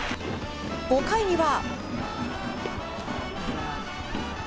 ５回には。